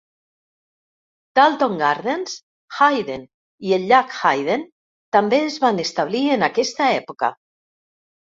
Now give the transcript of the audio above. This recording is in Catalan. Dalton Gardens, Hayden i el llac Hayden també es van establir en aquesta època.